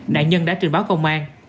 nạn nhân đã trình báo công an